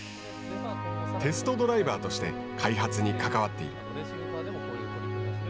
テストドライバーとして開発に関わっている。